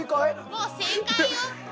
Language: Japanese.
もう正解よ。